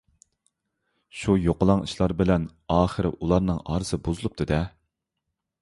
شۇ يوقىلاڭ ئىشلار بىلەن ئاخىرى ئۇلارنىڭ ئارىسى بۇزۇلۇپتۇ-دە.